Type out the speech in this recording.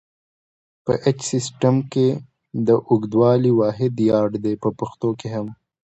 په ایچ سیسټم کې د اوږدوالي واحد یارډ دی په پښتو کې هم.